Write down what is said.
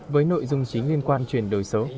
với nội dung chính liên quan chuyển đổi số